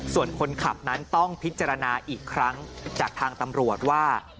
ส่วนคนขับนั้นต้องพิจารณาอีกครั้งจากทางตำรวจว่า